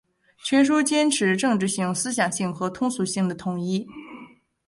全书坚持政治性、思想性和通俗性的统一